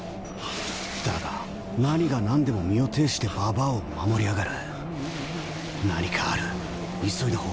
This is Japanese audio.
だが何がなんでも身を挺してばばあを守りやがる。